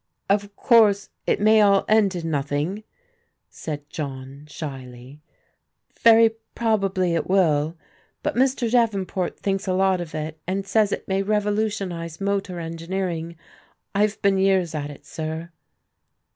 " Of course it may all end in nothing," said John shyly, " very probably it will, but Mr. Davenport thinks a lot of it, and says it may revolutionize motor engineer ing. I've been years at it, sir."